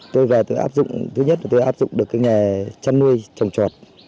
tôi về tôi áp dụng thứ nhất là tôi áp dụng được cái nghề chăn nuôi trồng trọt